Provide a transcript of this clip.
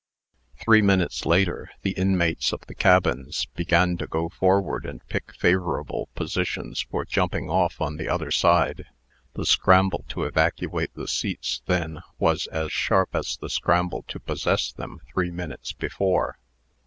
Three minutes later, the inmates of the cabins began to go forward and pick favorable positions for jumping off on the other side. The scramble to evacuate the seats then was as sharp as the scramble to possess them, three minutes before.